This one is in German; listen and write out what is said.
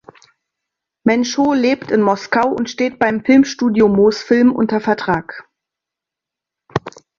Menschow lebt in Moskau und steht beim Filmstudio Mosfilm unter Vertrag.